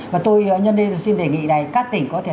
và tôi nhân nên xin đề nghị các tỉnh có thể